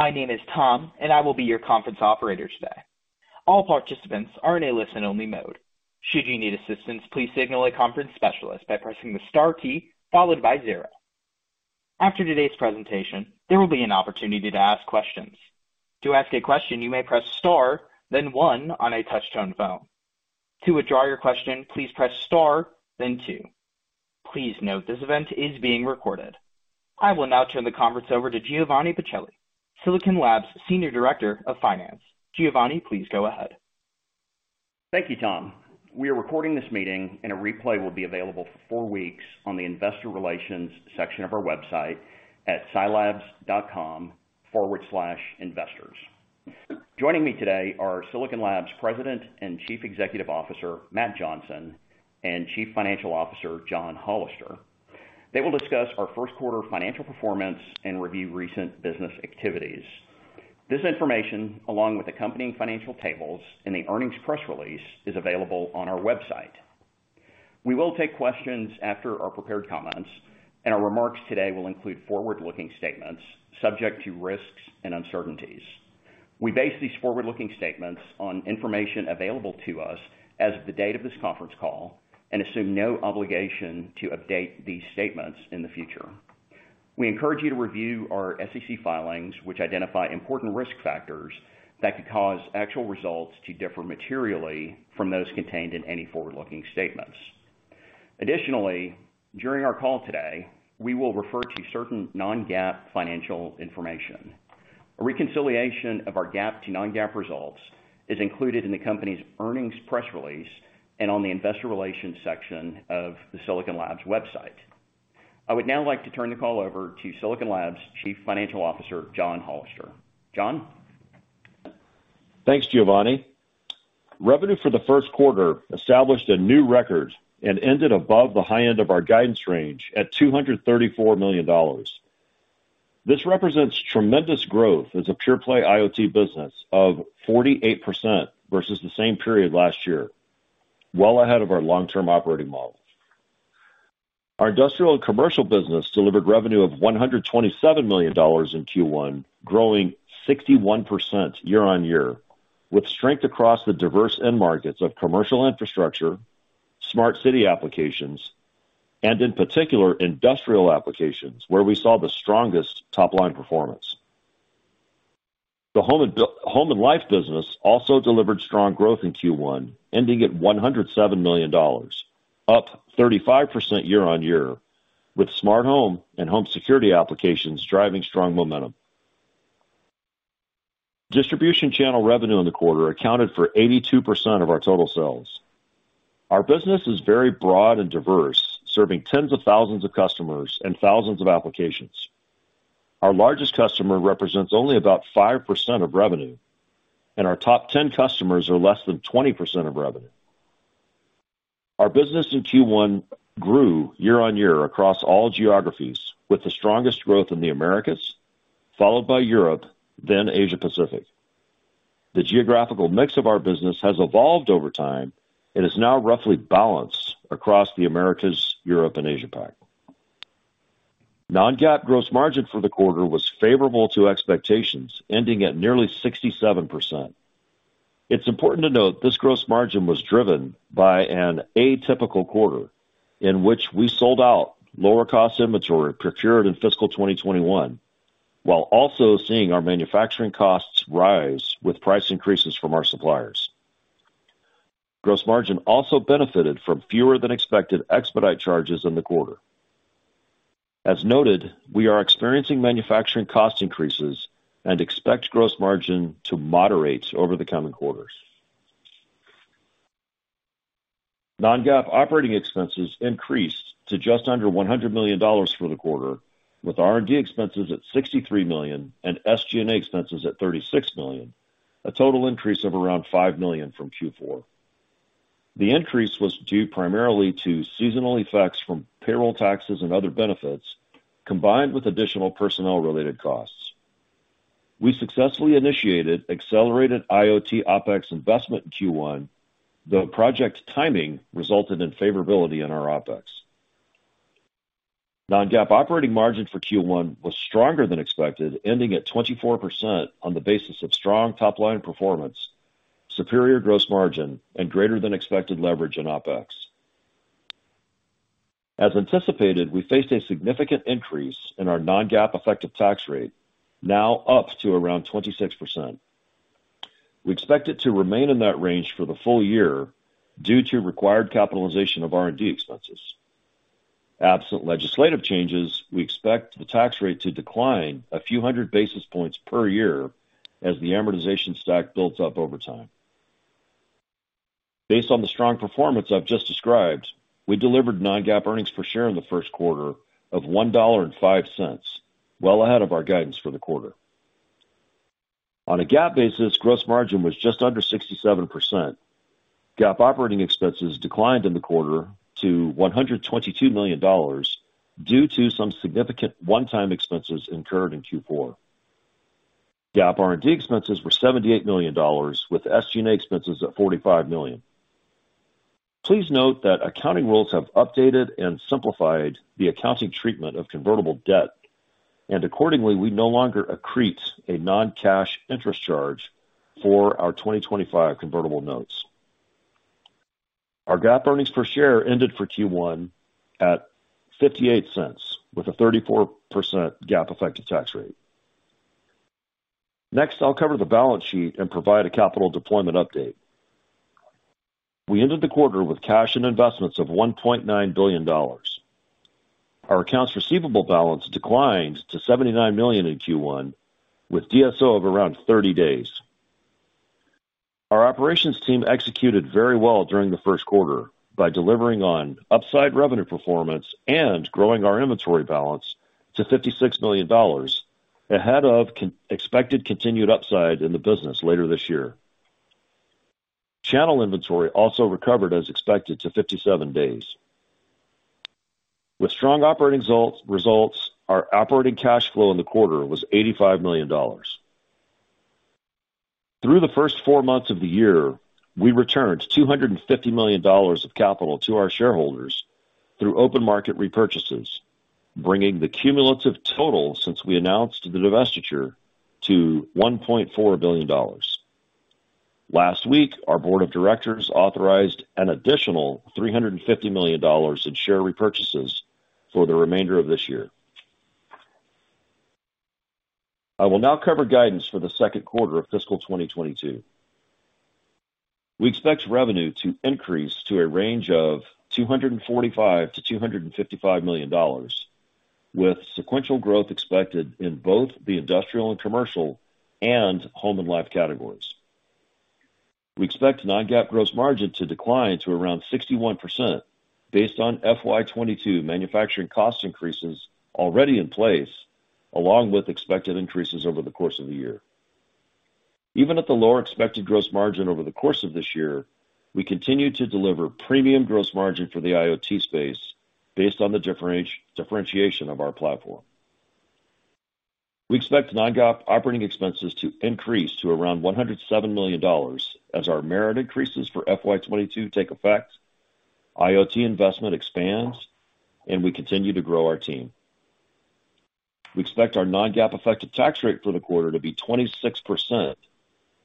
My name is Tom, and I will be your conference operator today. All participants are in a listen-only mode. Should you need assistance, please signal a conference specialist by pressing the star key followed by zero. After today's presentation, there will be an opportunity to ask questions. To ask a question, you may press star then one on a touch-tone phone. To withdraw your question, please press star then two. Please note this event is being recorded. I will now turn the conference over to Giovanni Pacelli, Silicon Labs, Senior Director of Finance. Giovanni, please go ahead. Thank you, Tom. We are recording this meeting, and a replay will be available for four weeks on the investor relations section of our website at silabs.com/investors. Joining me today are Silicon Labs President and Chief Executive Officer, Matt Johnson, and Chief Financial Officer, John Hollister. They will discuss our first quarter financial performance and review recent business activities. This information, along with accompanying financial tables in the earnings press release, is available on our website. We will take questions after our prepared comments, and our remarks today will include forward-looking statements subject to risks and uncertainties. We base these forward-looking statements on information available to us as of the date of this conference call and assume no obligation to update these statements in the future. We encourage you to review our SEC filings, which identify important risk factors that could cause actual results to differ materially from those contained in any forward-looking statements. Additionally, during our call today, we will refer to certain non-GAAP financial information. A reconciliation of our GAAP to non-GAAP results is included in the company's earnings press release and on the investor relations section of the Silicon Labs website. I would now like to turn the call over to Silicon Labs Chief Financial Officer, John Hollister. John? Thanks, Giovanni. Revenue for the first quarter established a new record and ended above the high end of our guidance range at $234 million. This represents tremendous growth as a pure-play IoT business of 48% versus the same period last year, well ahead of our long-term operating model. Our industrial and commercial business delivered revenue of $127 million in Q1, growing 61% year-on-year, with strength across the diverse end markets of commercial infrastructure, smart city applications, and in particular, industrial applications, where we saw the strongest top-line performance. The home and life business also delivered strong growth in Q1, ending at $107 million, up 35% year-on-year, with smart home and home security applications driving strong momentum. Distribution channel revenue in the quarter accounted for 82% of our total sales. Our business is very broad and diverse, serving tens of thousands of customers and thousands of applications. Our largest customer represents only about 5% of revenue, and our top 10 customers are less than 20% of revenue. Our business in Q1 grew year-on-year across all geographies, with the strongest growth in the Americas, followed by Europe, then Asia Pacific. The geographical mix of our business has evolved over time and is now roughly balanced across the Americas, Europe, and Asia Pac. Non-GAAP gross margin for the quarter was favorable to expectations, ending at nearly 67%. It's important to note this gross margin was driven by an atypical quarter in which we sold out lower cost inventory procured in fiscal 2021, while also seeing our manufacturing costs rise with price increases from our suppliers. Gross margin also benefited from fewer than expected expedite charges in the quarter. As noted, we are experiencing manufacturing cost increases and expect gross margin to moderate over the coming quarters. Non-GAAP operating expenses increased to just under $100 million for the quarter, with R&D expenses at $63 million and SG&A expenses at $36 million, a total increase of around $5 million from Q4. The increase was due primarily to seasonal effects from payroll taxes and other benefits, combined with additional personnel-related costs. We successfully initiated accelerated IoT OpEx investment in Q1, though project timing resulted in favorability in our OpEx. Non-GAAP operating margin for Q1 was stronger than expected, ending at 24% on the basis of strong top-line performance, superior gross margin, and greater than expected leverage in OpEx. As anticipated, we faced a significant increase in our non-GAAP effective tax rate, now up to around 26%. We expect it to remain in that range for the full year due to required capitalization of R&D expenses. Absent legislative changes, we expect the tax rate to decline a few hundred basis points per year as the amortization stack builds up over time. Based on the strong performance I've just described, we delivered non-GAAP earnings per share in the first quarter of $1.05, well ahead of our guidance for the quarter. On a GAAP basis, gross margin was just under 67%. GAAP operating expenses declined in the quarter to $122 million due to some significant one-time expenses incurred in Q4. GAAP R&D expenses were $78 million, with SG&A expenses at $45 million. Please note that accounting rules have updated and simplified the accounting treatment of convertible debt, and accordingly, we no longer accrete a non-cash interest charge for our 2025 convertible notes. Our GAAP earnings per share ended for Q1 at $0.58 with a 34% GAAP effective tax rate. Next, I'll cover the balance sheet and provide a capital deployment update. We ended the quarter with cash and investments of $1.9 billion. Our accounts receivable balance declined to $79 million in Q1 with DSO of around 30 days. Our operations team executed very well during the first quarter by delivering on upside revenue performance and growing our inventory balance to $56 million ahead of expected continued upside in the business later this year. Channel inventory also recovered as expected to 57 days. With strong operating results, our operating cash flow in the quarter was $85 million. Through the first four months of the year, we returned $250 million of capital to our shareholders through open market repurchases, bringing the cumulative total since we announced the divestiture to $1.4 billion. Last week, our board of directors authorized an additional $350 million in share repurchases for the remainder of this year. I will now cover guidance for the second quarter of fiscal 2022. We expect revenue to increase to a range of $245 million-$255 million with sequential growth expected in both the industrial and commercial and home and life categories. We expect non-GAAP gross margin to decline to around 61% based on FY22 manufacturing cost increases already in place, along with expected increases over the course of the year. Even at the lower expected gross margin over the course of this year, we continue to deliver premium gross margin for the IoT space based on the differentiation of our platform. We expect non-GAAP operating expenses to increase to around $107 million as our merit increases for FY22 take effect, IoT investment expands, and we continue to grow our team. We expect our non-GAAP effective tax rate for the quarter to be 26%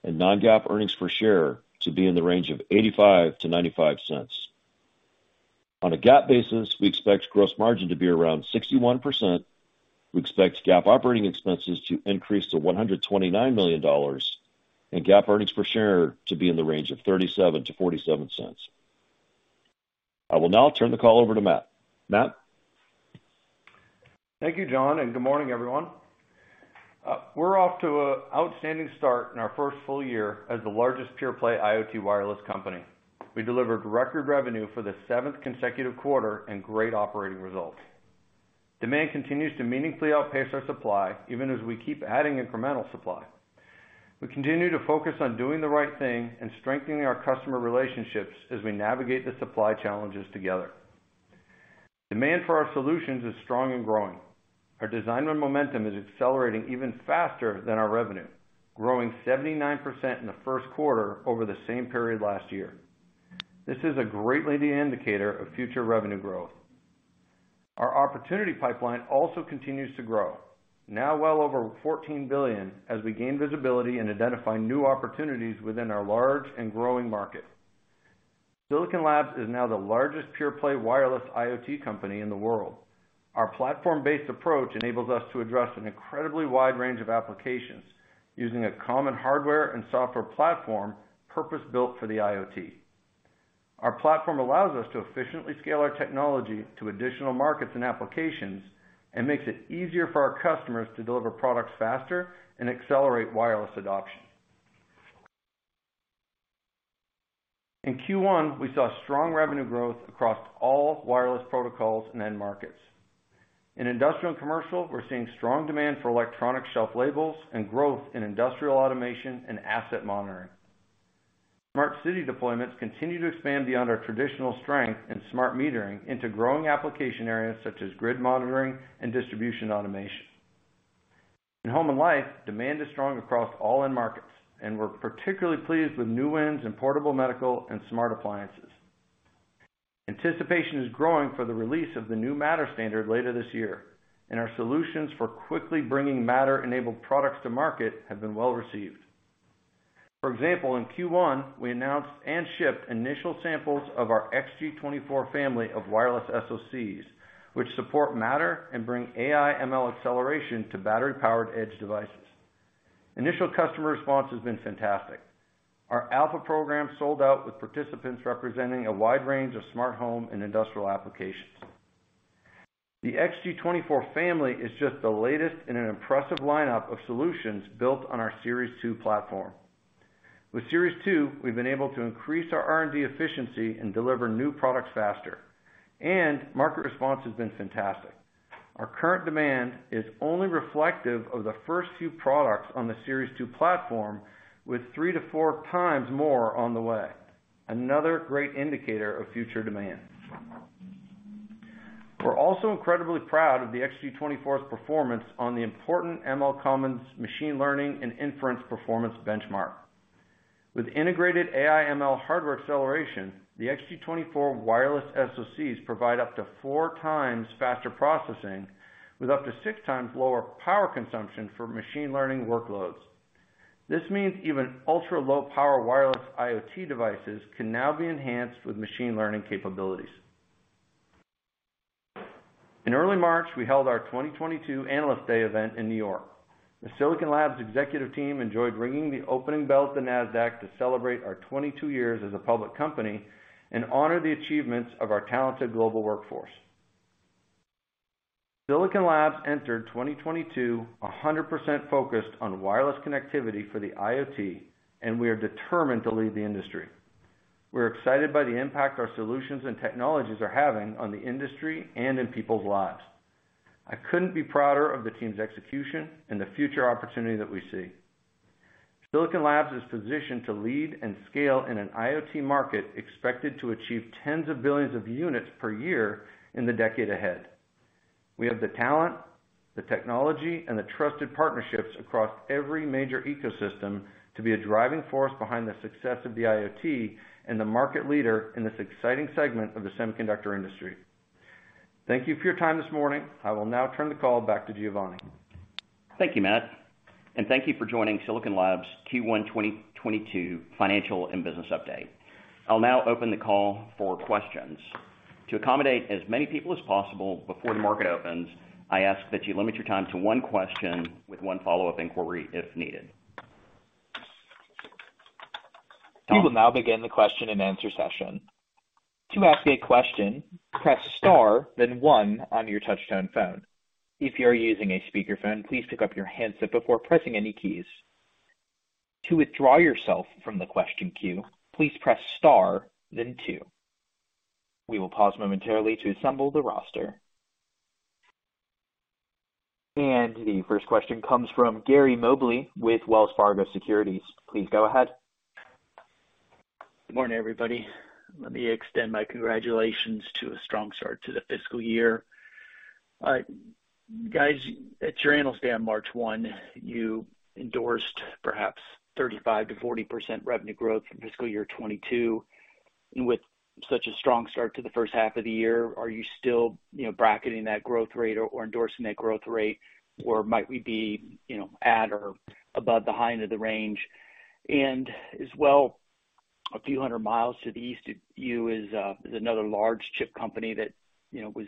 and non-GAAP earnings per share to be in the range of $0.85-$0.95. On a GAAP basis, we expect gross margin to be around 61%. We expect GAAP operating expenses to increase to $129 million and GAAP earnings per share to be in the range of $0.37-$0.47. I will now turn the call over to Matt. Matt? Thank you, John, and good morning, everyone. We're off to an outstanding start in our first full year as the largest pure-play IoT wireless company. We delivered record revenue for the seventh consecutive quarter and great operating results. Demand continues to meaningfully outpace our supply, even as we keep adding incremental supply. We continue to focus on doing the right thing and strengthening our customer relationships as we navigate the supply challenges together. Demand for our solutions is strong and growing. Our design win momentum is accelerating even faster than our revenue, growing 79% in the first quarter over the same period last year. This is a great leading indicator of future revenue growth. Our opportunity pipeline also continues to grow, now well over 14 billion as we gain visibility and identify new opportunities within our large and growing market. Silicon Labs is now the largest pure-play wireless IoT company in the world. Our platform-based approach enables us to address an incredibly wide range of applications using a common hardware and software platform purpose-built for the IoT. Our platform allows us to efficiently scale our technology to additional markets and applications and makes it easier for our customers to deliver products faster and accelerate wireless adoption. In Q1, we saw strong revenue growth across all wireless protocols and end markets. In industrial and commercial, we're seeing strong demand for electronic shelf labels and growth in industrial automation and asset monitoring. Smart city deployments continue to expand beyond our traditional strength in smart metering into growing application areas such as grid monitoring and distribution automation. In home and life, demand is strong across all end markets, and we're particularly pleased with new wins in portable medical and smart appliances. Anticipation is growing for the release of the new Matter standard later this year, and our solutions for quickly bringing Matter-enabled products to market have been well-received. For example, in Q1, we announced and shipped initial samples of our XG24 family of wireless SoCs, which support Matter and bring AI/ML acceleration to battery-powered edge devices. Initial customer response has been fantastic. Our alpha program sold out with participants representing a wide range of smart home and industrial applications. The XG24 family is just the latest in an impressive lineup of solutions built on our Series 2 platform. With Series 2, we've been able to increase our R&D efficiency and deliver new products faster, and market response has been fantastic. Our current demand is only reflective of the first few products on the Series 2 platform with 3-4 times more on the way. Another great indicator of future demand. We're also incredibly proud of the XG24's performance on the important MLCommons machine learning and inference performance benchmark. With integrated AI/ML hardware acceleration, the XG24 wireless SoCs provide up to 4 times faster processing with up to 6 times lower power consumption for machine learning workloads. This means even ultra-low power wireless IoT devices can now be enhanced with machine learning capabilities. In early March, we held our 2022 Analyst Day event in New York. The Silicon Labs executive team enjoyed ringing the opening bell at the Nasdaq to celebrate our 22 years as a public company and honor the achievements of our talented global workforce. Silicon Labs entered 2022 100% focused on wireless connectivity for the IoT, and we are determined to lead the industry. We're excited by the impact our solutions and technologies are having on the industry and in people's lives. I couldn't be prouder of the team's execution and the future opportunity that we see. Silicon Labs is positioned to lead and scale in an IoT market expected to achieve tens of billions of units per year in the decade ahead. We have the talent, the technology, and the trusted partnerships across every major ecosystem to be a driving force behind the success of the IoT and the market leader in this exciting segment of the semiconductor industry. Thank you for your time this morning. I will now turn the call back to Giovanni. Thank you, Matt, and thank you for joining Silicon Labs' Q1 2022 financial and business update. I'll now open the call for questions. To accommodate as many people as possible before the market opens, I ask that you limit your time to one question with one follow-up inquiry if needed. We will now begin the question-and-answer session. To ask a question, press star, then one on your touchtone phone. If you are using a speakerphone, please pick up your handset before pressing any keys. To withdraw yourself from the question queue, please press star then two. We will pause momentarily to assemble the roster. The first question comes from Gary Mobley with Wells Fargo Securities. Please go ahead. Good morning, everybody. Let me extend my congratulations to a strong start to the fiscal year. Guys, at your Analyst Day on March 1, you endorsed perhaps 35%-40% revenue growth in fiscal year 2022. With such a strong start to the first half of the year, are you still, you know, bracketing that growth rate or endorsing that growth rate, or might we be, you know, at or above the high end of the range? As well, a few hundred miles to the east of you is another large chip company that, you know, was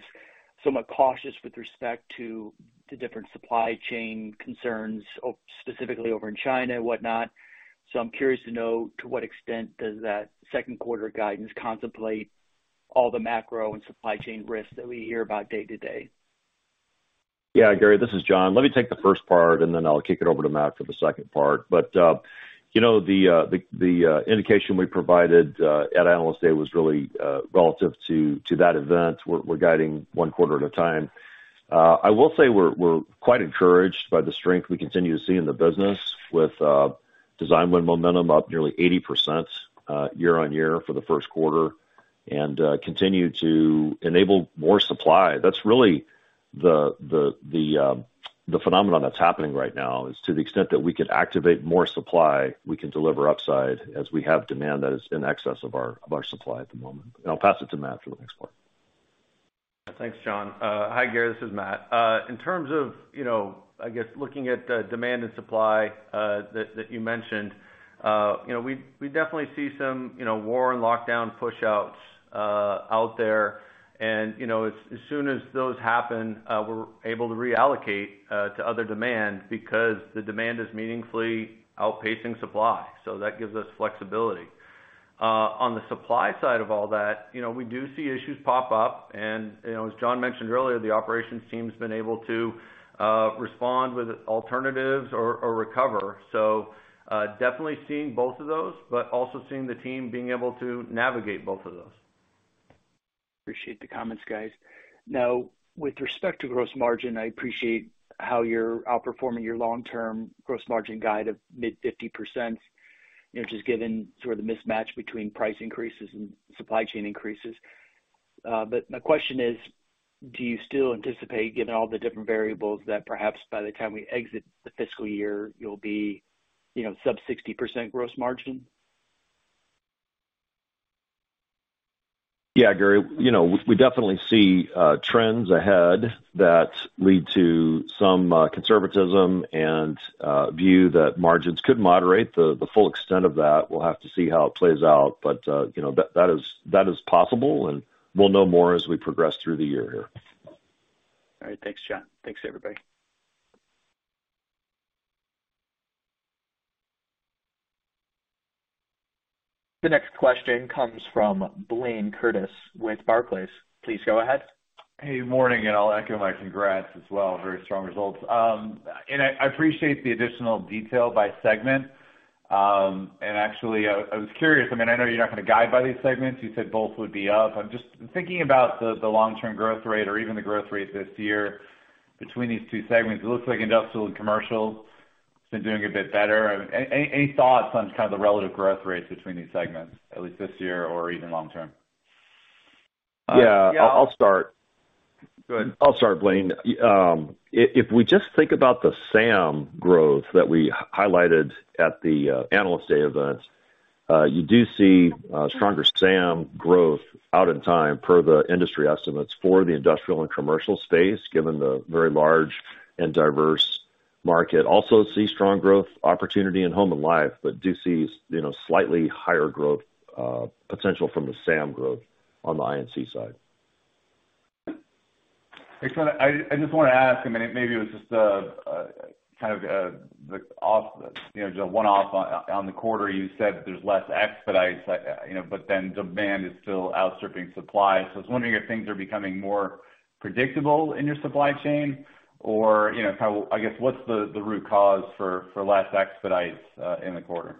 somewhat cautious with respect to different supply chain concerns, specifically over in China and whatnot. I'm curious to know to what extent does that second quarter guidance contemplate all the macro and supply chain risks that we hear about day to day? Yeah, Gary, this is John. Let me take the first part, and then I'll kick it over to Matt for the second part. You know, the indication we provided at Analyst Day was really relative to that event. We're guiding one quarter at a time. I will say we're quite encouraged by the strength we continue to see in the business with design win momentum up nearly 80% year-over-year for the first quarter and continue to enable more supply. That's really the phenomenon that's happening right now, to the extent that we can activate more supply, we can deliver upside as we have demand that is in excess of our supply at the moment. I'll pass it to Matt for the next part. Thanks, John. Hi, Gary, this is Matt. In terms of, you know, I guess, looking at demand and supply, that you mentioned, you know, we definitely see some, you know, war and lockdown pushouts out there and, you know, as soon as those happen, we're able to reallocate to other demand because the demand is meaningfully outpacing supply. That gives us flexibility. On the supply side of all that, you know, we do see issues pop up and, you know, as John mentioned earlier, the operations team's been able to respond with alternatives or recover. Definitely seeing both of those, but also seeing the team being able to navigate both of those. Appreciate the comments, guys. Now, with respect to gross margin, I appreciate how you're outperforming your long-term gross margin guide of mid-50%, you know, just given sort of the mismatch between price increases and supply chain increases. My question is, do you still anticipate, given all the different variables, that perhaps by the time we exit the fiscal year, you'll be, you know, sub-60% gross margin? Yeah, Gary. You know, we definitely see trends ahead that lead to some conservatism and view that margins could moderate. The full extent of that, we'll have to see how it plays out. You know, that is possible, and we'll know more as we progress through the year here. All right. Thanks, John. Thanks, everybody. The next question comes from Blayne Curtis with Barclays. Please go ahead. Hey, morning, and I'll echo my congrats as well. Very strong results. I appreciate the additional detail by segment. Actually, I was curious. I mean, I know you're not gonna guide by these segments. You said both would be up. I'm just thinking about the long-term growth rate or even the growth rate this year between these two segments. It looks like industrial and commercial. Doing a bit better. Any thoughts on kind of the relative growth rates between these segments, at least this year or even long term? Yeah, I'll start. Go ahead. I'll start, Blayne. If we just think about the SAM growth that we highlighted at the analyst day event, you do see stronger SAM growth out in time per the industry estimates for the industrial and commercial space, given the very large and diverse market. Also see strong growth opportunity in home and life, but do see you know, slightly higher growth potential from the SAM growth on the I&C side. I just wanna ask, I mean, maybe it was just a kind of, you know, just one off on the quarter. You said there's less expedites, you know, but then demand is still outstripping supply. I was wondering if things are becoming more predictable in your supply chain or, you know, kind of, I guess, what's the root cause for less expedites in the quarter?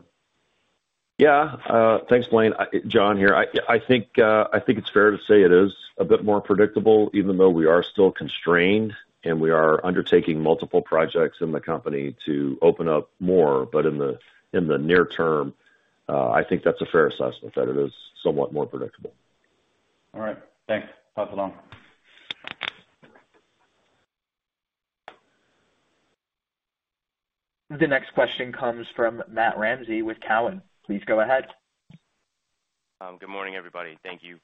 Yeah. Thanks, Blayne. John here. I think it's fair to say it is a bit more predictable, even though we are still constrained, and we are undertaking multiple projects in the company to open up more. In the near term, I think that's a fair assessment, that it is somewhat more predictable. All right. Thanks. Talk soon. The next question comes from Matthew Ramsay with Cowen. Please go ahead. Good morning, everybody. Thank you.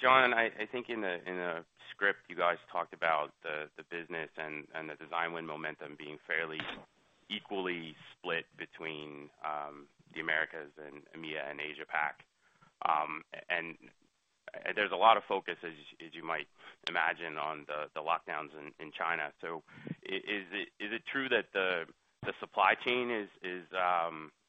John, I think in the script, you guys talked about the business and the design win momentum being fairly equally split between the Americas and EMEA and Asia PAC. There's a lot of focus, as you might imagine, on the lockdowns in China. Is it true that the supply chain is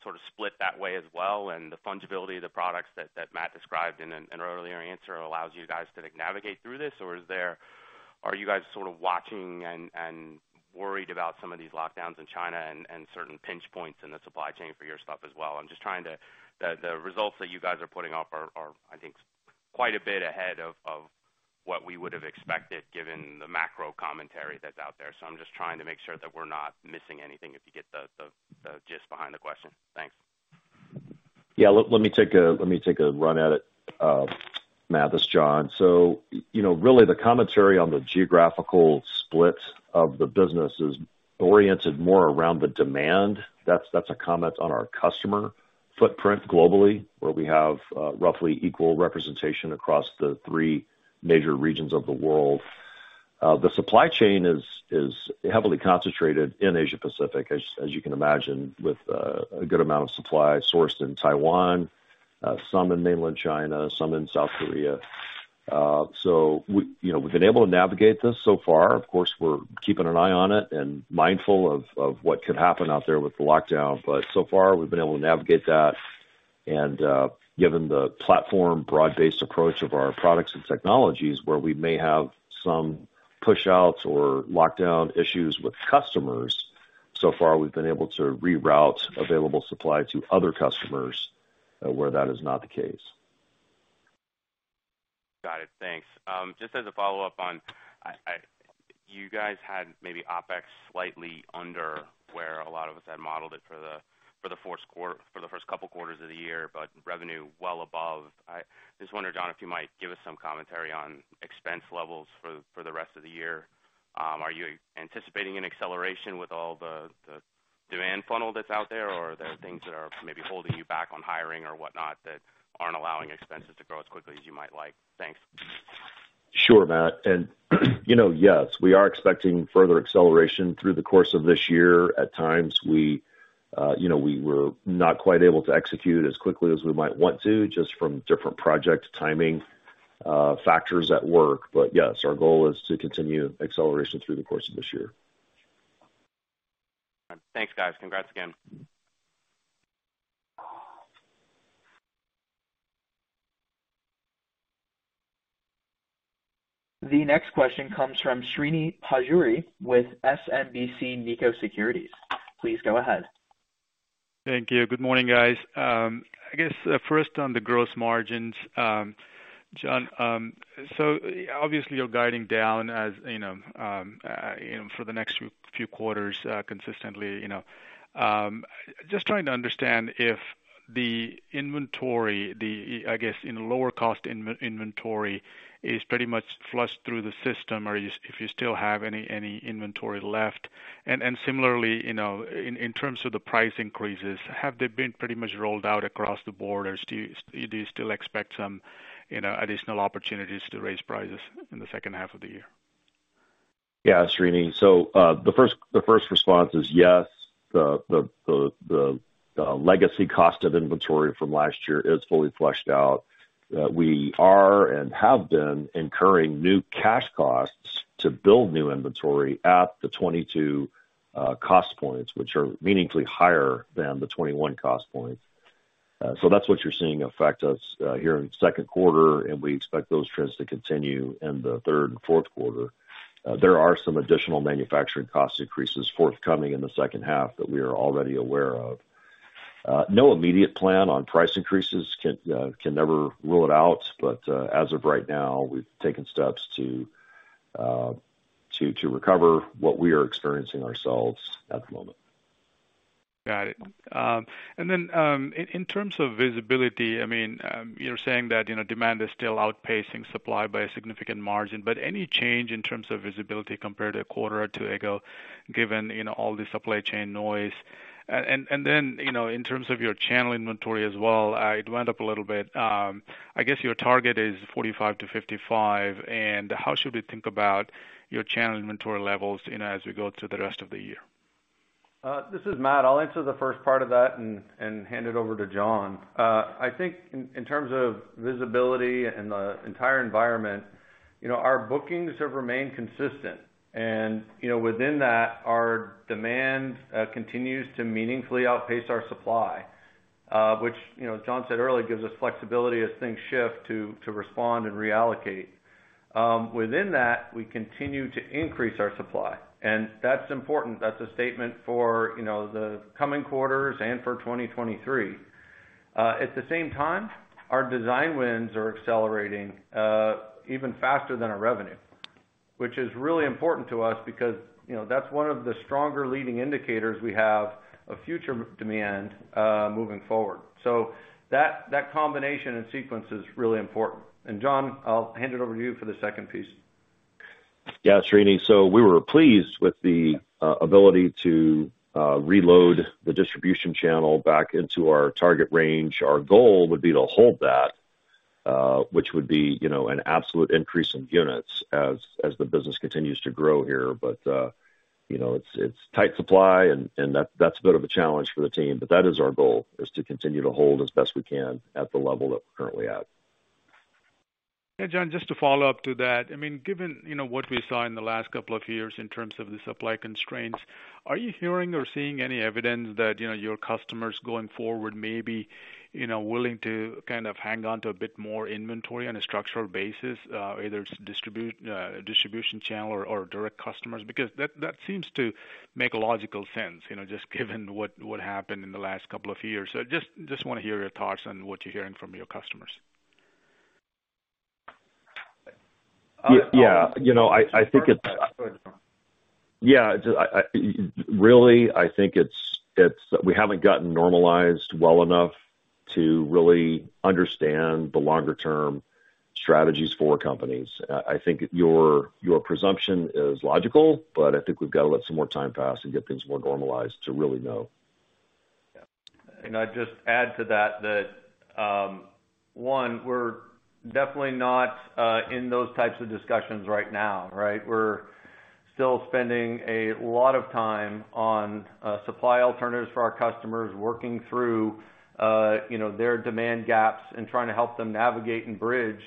sort of split that way as well, and the fungibility of the products that Matt described in an earlier answer allows you guys to like navigate through this? Are you guys sort of watching and worried about some of these lockdowns in China and certain pinch points in the supply chain for your stuff as well? I'm just trying to. The results that you guys are putting up are, I think, quite a bit ahead of what we would have expected given the macro commentary that's out there. I'm just trying to make sure that we're not missing anything if you get the gist behind the question. Thanks. Yeah. Let me take a run at it, Matt. This is John. You know, really the commentary on the geographical split of the business is oriented more around the demand. That's a comment on our customer footprint globally, where we have roughly equal representation across the three major regions of the world. The supply chain is heavily concentrated in Asia Pacific, as you can imagine, with a good amount of supply sourced in Taiwan, some in mainland China, some in South Korea. You know, we've been able to navigate this so far. Of course, we're keeping an eye on it and mindful of what could happen out there with the lockdown. So far, we've been able to navigate that. Given the platform broad-based approach of our products and technologies where we may have some push outs or lockdown issues with customers, so far we've been able to reroute available supply to other customers, where that is not the case. Got it. Thanks. Just as a follow-up on, you guys had maybe OpEx slightly under where a lot of us had modeled it for the first couple quarters of the year, but revenue well above. I just wonder, John, if you might give us some commentary on expense levels for the rest of the year. Are you anticipating an acceleration with all the demand funnel that's out there? Or are there things that are maybe holding you back on hiring or whatnot that aren't allowing expenses to grow as quickly as you might like? Thanks. Sure, Matt. You know, yes, we are expecting further acceleration through the course of this year. At times we, you know, we were not quite able to execute as quickly as we might want to, just from different project timing, factors at work. Yes, our goal is to continue acceleration through the course of this year. Thanks, guys. Congrats again. The next question comes from Srini Pajjuri with SMBC Nikko Securities. Please go ahead. Thank you. Good morning, guys. I guess, first on the gross margins. John, so obviously you're guiding down as, you know, for the next few quarters, consistently, you know. Just trying to understand if the inventory, I guess in lower cost inventory is pretty much flushed through the system or if you still have any inventory left. Similarly, you know, in terms of the price increases, have they been pretty much rolled out across the board or do you still expect some, you know, additional opportunities to raise prices in the second half of the year? Yeah, Srini. The first response is, yes, the legacy cost of inventory from last year is fully flushed out. We are and have been incurring new cash costs to build new inventory at the 2022 cost points, which are meaningfully higher than the 2021 cost points. So that's what you're seeing affect us here in the second quarter, and we expect those trends to continue in the third and fourth quarter. There are some additional manufacturing cost increases forthcoming in the second half that we are already aware of. No immediate plan on price increases. Can never rule it out, but as of right now, we've taken steps to recover what we are experiencing ourselves at the moment. Got it. In terms of visibility, I mean, you're saying that, you know, demand is still outpacing supply by a significant margin, but any change in terms of visibility compared to a quarter or two ago, given, you know, all the supply chain noise? In terms of your channel inventory as well, it went up a little bit. I guess your target is 45-55, and how should we think about your channel inventory levels, you know, as we go through the rest of the year? This is Matt. I'll answer the first part of that and hand it over to John. I think in terms of visibility and the entire environment, you know, our bookings have remained consistent. You know, within that, our demand continues to meaningfully outpace our supply, which, you know, John said earlier, gives us flexibility as things shift to respond and reallocate. Within that, we continue to increase our supply, and that's important. That's a statement for, you know, the coming quarters and for 2023. At the same time, our design wins are accelerating even faster than our revenue, which is really important to us because, you know, that's one of the stronger leading indicators we have of future demand moving forward. That combination and sequence is really important. John, I'll hand it over to you for the second piece. Yeah, Srini. We were pleased with the ability to reload the distribution channel back into our target range. Our goal would be to hold that, which would be, you know, an absolute increase in units as the business continues to grow here. You know, it's tight supply and that's a bit of a challenge for the team. That is our goal, is to continue to hold as best we can at the level that we're currently at. Yeah, John, just to follow up to that. I mean, given, you know, what we saw in the last couple of years in terms of the supply constraints, are you hearing or seeing any evidence that, you know, your customers going forward may be, you know, willing to kind of hang on to a bit more inventory on a structural basis, either distributor, distribution channel or direct customers? Because that seems to make logical sense, you know, just given what happened in the last couple of years. So just wanna hear your thoughts on what you're hearing from your customers. You know, I think Go ahead, John. Yeah. Really, I think it's we haven't gotten normalized well enough to really understand the longer term strategies for companies. I think your presumption is logical, but I think we've gotta let some more time pass and get things more normalized to really know. Yeah. I'd just add to that one, we're definitely not in those types of discussions right now, right? We're still spending a lot of time on supply alternatives for our customers, working through you know, their demand gaps and trying to help them navigate and bridge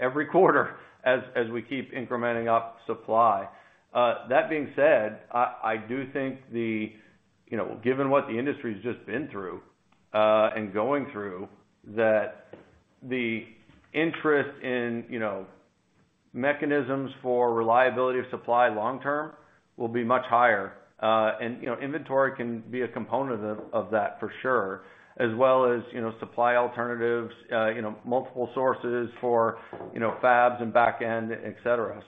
every quarter as we keep incrementing up supply. That being said, I do think. You know, given what the industry's just been through and going through, that the interest in you know, mechanisms for reliability of supply long term will be much higher. You know, inventory can be a component of that for sure, as well as you know, supply alternatives, you know, multiple sources for you know, fabs and back end, et cetera.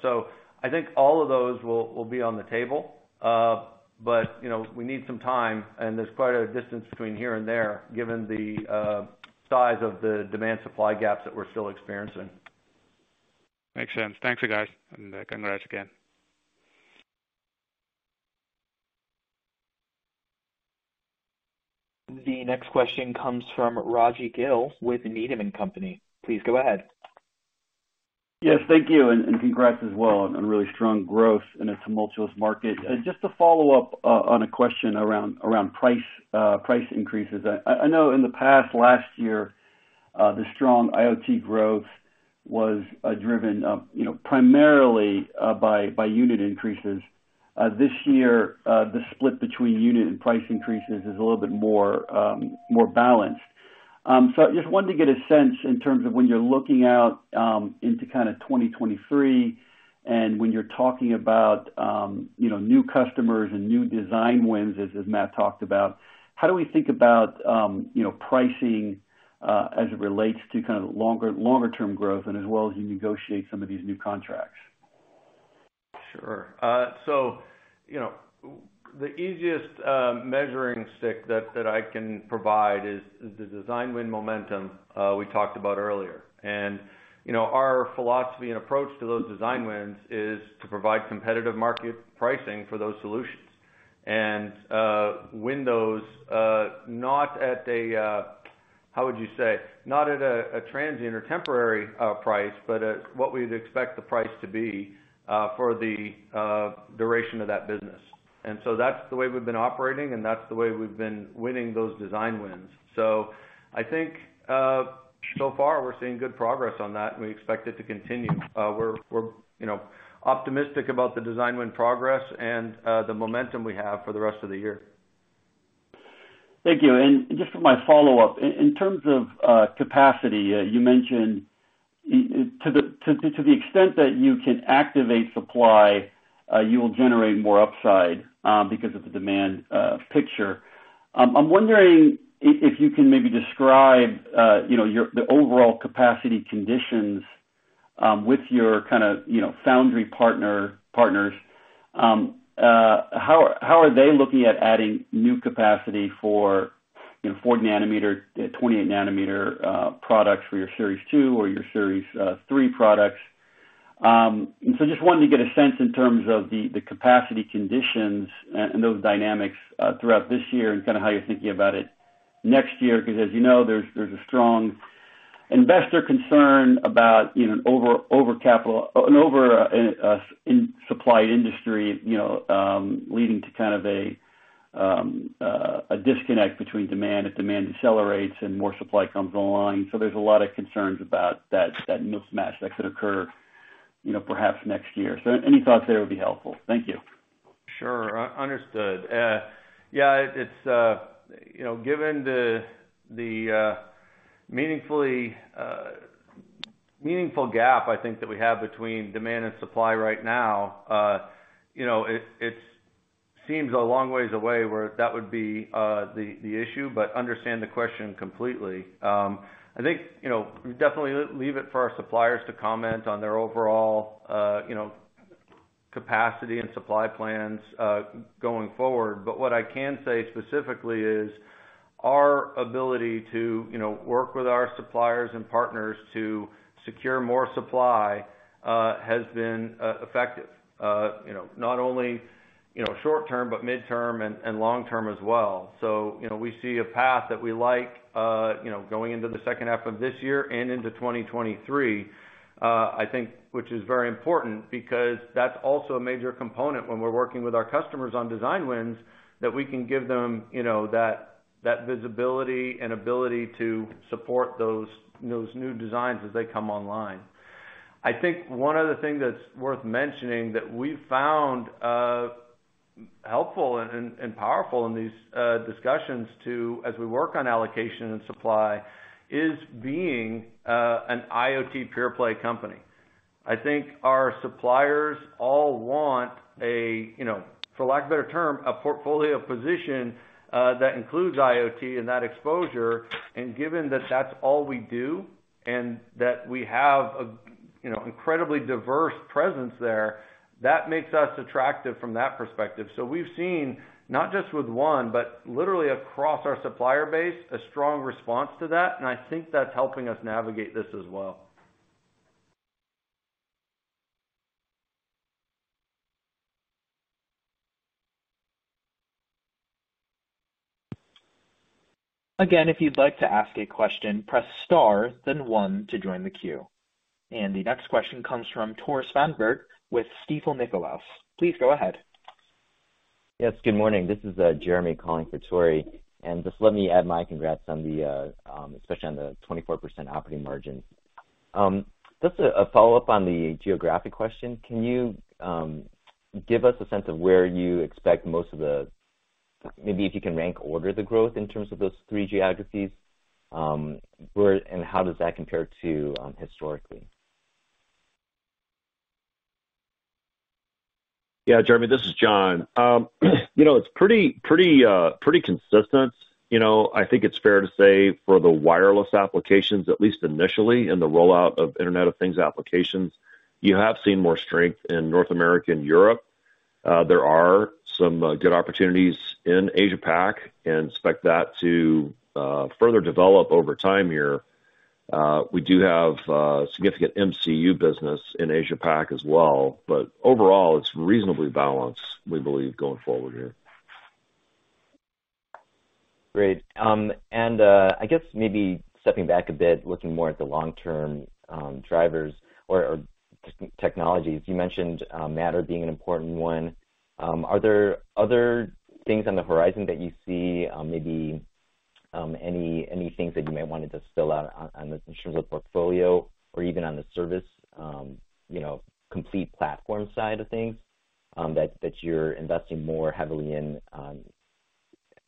I think all of those will be on the table. You know, we need some time, and there's quite a distance between here and there, given the size of the demand supply gaps that we're still experiencing. Makes sense. Thanks, you guys, and congrats again. The next question comes from Raji Gill with Needham & Company. Please go ahead. Yes, thank you, and congrats as well on really strong growth in a tumultuous market. Just to follow up on a question around price increases. I know in the past, last year, the strong IoT growth was driven, you know, primarily by unit increases. This year, the split between unit and price increases is a little bit more balanced. Just wanted to get a sense in terms of when you're looking out into kinda 2023 and when you're talking about, you know, new customers and new design wins, as Matt talked about, how do we think about, you know, pricing as it relates to kind of longer term growth and as well as you negotiate some of these new contracts? Sure. You know, the easiest measuring stick that I can provide is the design win momentum we talked about earlier. You know, our philosophy and approach to those design wins is to provide competitive market pricing for those solutions. Win those not at a transient or temporary price, but at what we'd expect the price to be for the duration of that business. That's the way we've been operating, and that's the way we've been winning those design wins. I think so far we're seeing good progress on that, and we expect it to continue. We're you know, optimistic about the design win progress and the momentum we have for the rest of the year. Thank you. Just for my follow-up. In terms of capacity, you mentioned to the extent that you can activate supply, you will generate more upside because of the demand picture. I'm wondering if you can maybe describe, you know, your overall capacity conditions with your kind of, you know, foundry partners, how are they looking at adding new capacity for, you know, 40nm, 20nm products for your Series 2 or your Series 3 products? Just wanted to get a sense in terms of the capacity conditions and those dynamics throughout this year and kind of how you're thinking about it next year, because as you know, there's a strong investor concern about, you know, overcapitalization and overcapacity in the supply industry, you know, leading to kind of a disconnect between demand if demand accelerates and more supply comes online. There's a lot of concerns about that mismatch that could occur, you know, perhaps next year. Any thoughts there would be helpful. Thank you. Sure. Understood. Yeah, it's you know, given the meaningful gap, I think that we have between demand and supply right now, it seems a long ways away where that would be the issue, but understand the question completely. I think you know, definitely leave it for our suppliers to comment on their overall capacity and supply plans going forward. What I can say specifically is our ability to you know, work with our suppliers and partners to secure more supply has been effective you know, not only short term, but mid-term and long-term as well. You know, we see a path that we like, you know, going into the second half of this year and into 2023, I think, which is very important because that's also a major component when we're working with our customers on design wins that we can give them, you know, that visibility and ability to support those new designs as they come online. I think one other thing that's worth mentioning that we found helpful and powerful in these discussions, too, as we work on allocation and supply is being an IoT pure play company. I think our suppliers all want a, you know, for lack of better term, a portfolio position, that includes IoT and that exposure, and given that that's all we do and that we have a, you know, incredibly diverse presence there, that makes us attractive from that perspective. So we've seen, not just with one, but literally across our supplier base, a strong response to that, and I think that's helping us navigate this as well. Again, if you'd like to ask a question, press star then one to join the queue. The next question comes from Tore Svanberg with Stifel, Nicolaus & Company. Please go ahead. Yes, good morning. This is Jeremy calling for Tore Svanberg. Just let me add my congrats on the, especially on the 24% operating margin. Just a follow-up on the geographic question. Can you give us a sense of where you expect most of the, maybe if you can rank order the growth in terms of those three geographies. Where and how does that compare to historically? Yeah, Jeremy, this is John. You know, it's pretty consistent. You know, I think it's fair to say for the wireless applications, at least initially in the rollout of Internet of Things applications, you have seen more strength in North America and Europe. There are some good opportunities in Asia Pac and expect that to further develop over time here. We do have significant MCU business in Asia Pac as well, but overall, it's reasonably balanced, we believe, going forward here. Great. I guess maybe stepping back a bit, looking more at the long-term drivers or technologies you mentioned, Matter being an important one. Are there other things on the horizon that you see, maybe any things that you may want to spell out on this in terms of portfolio or even on the service, you know, complete platform side of things, that you're investing more heavily in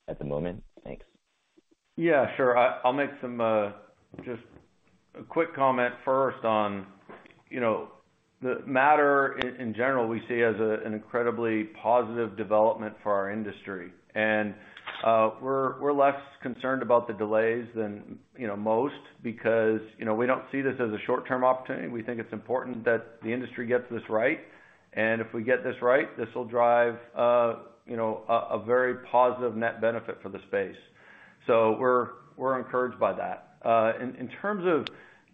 at the moment? Thanks. Yeah, sure. I'll make just a quick comment first on, you know, the Matter in general we see as an incredibly positive development for our industry. We're less concerned about the delays than, you know, most because, you know, we don't see this as a short-term opportunity. We think it's important that the industry gets this right. If we get this right, this will drive, you know, a very positive net benefit for the space. We're encouraged by that. In terms of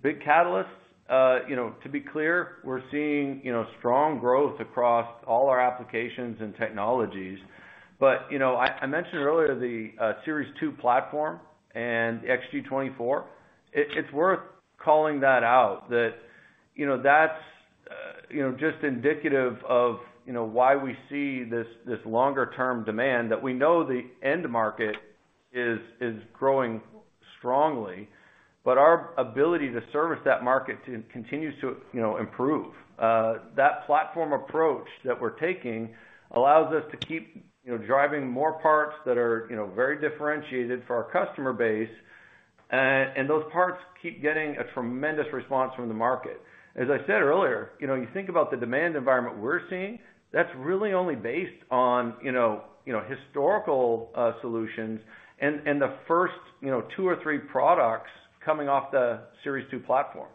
big catalysts, you know, to be clear, we're seeing, you know, strong growth across all our applications and technologies. You know, I mentioned earlier the Series 2 platform and XG24. It's worth calling that out that, you know, that's, you know, just indicative of, you know, why we see this longer term demand that we know the end market is growing strongly, but our ability to service that market continues to, you know, improve. That platform approach that we're taking allows us to keep, you know, driving more parts that are, you know, very differentiated for our customer base, and those parts keep getting a tremendous response from the market. As I said earlier, you know, you think about the demand environment we're seeing, that's really only based on, you know, historical solutions and the first, you know, two or three products coming off the Series 2 platform.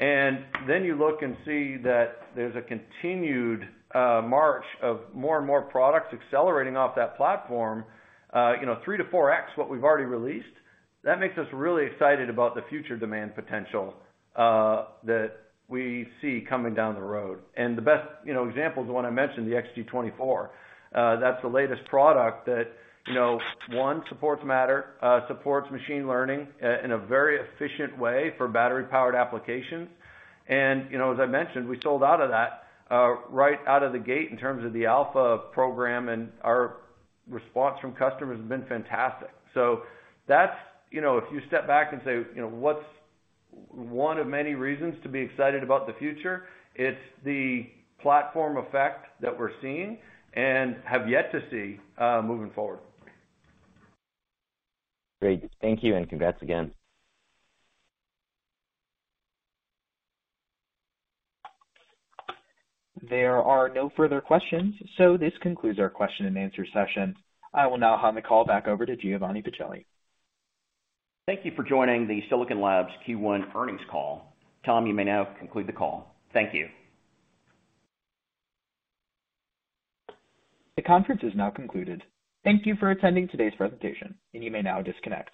You look and see that there's a continued march of more and more products accelerating off that platform, you know, 3-4x what we've already released. That makes us really excited about the future demand potential that we see coming down the road. The best, you know, example is the one I mentioned, the XG24. That's the latest product that, you know, supports Matter, supports machine learning in a very efficient way for battery-powered applications. You know, as I mentioned, we sold out of that right out of the gate in terms of the alpha program, and our response from customers has been fantastic. That's, you know, if you step back and say, you know, what's one of many reasons to be excited about the future? It's the platform effect that we're seeing and have yet to see, moving forward. Great. Thank you, and congrats again. There are no further questions, so this concludes our question and answer session. I will now hand the call back over to Giovanni Pacelli. Thank you for joining the Silicon Labs Q1 Earnings Call. Tom, you may now conclude the call. Thank you. The conference is now concluded. Thank you for attending today's presentation, and you may now disconnect.